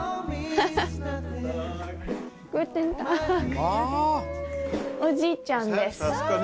フフフおじいちゃんです。